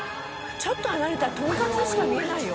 ちょっと離れたらトンカツにしか見えないよ。